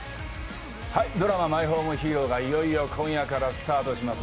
ドラマ「マイホームヒーロー」がいよいよ今夜からスタートします。